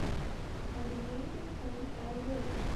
I began to think and read.